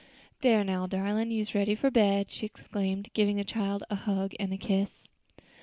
"Dere now, darlin', you's ready for bed," she exclaimed, giving the child a hug and a kiss.